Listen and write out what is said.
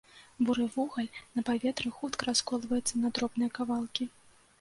Буры вугаль на паветры хутка расколваецца на дробныя кавалкі.